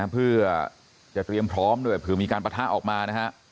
เพื่อจะเตรียมพร้อมด้วยถึงมีการปะทะออกมา